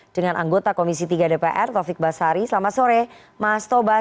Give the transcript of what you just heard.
dengan anggota komisi tiga dpr taufik basari selamat sore mas tobas